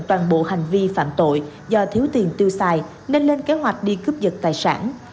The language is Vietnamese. toàn bộ hành vi phạm tội do thiếu tiền tiêu xài nên lên kế hoạch đi cướp dật tài sản